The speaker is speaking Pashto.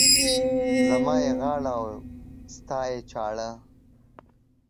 زما يې غاړه، ستا يې چاړه.